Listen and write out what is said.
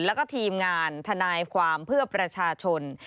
แล้วก็ทีมงานทนายความเพื่อประชาชน